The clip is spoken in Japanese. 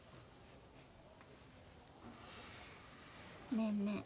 ねえねえ